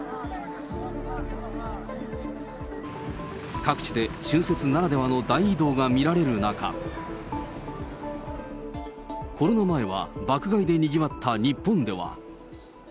各地で春節ならではの大移動が見られる中、コロナ前は爆買いでにぎわった日本では。